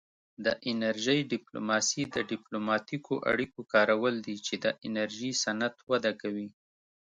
د انرژۍ ډیپلوماسي د ډیپلوماتیکو اړیکو کارول دي چې د انرژي صنعت وده کوي